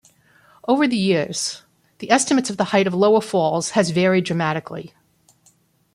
Over the years the estimates of the height of Lower Falls has varied dramatically.